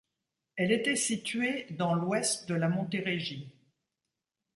Elle était située dans l'ouest de la Montérégie.